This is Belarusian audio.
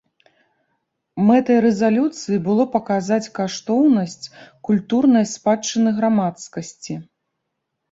Мэтай рэзалюцыі было паказаць каштоўнасць культурнай спадчыны грамадскасці.